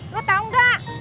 lu tau gak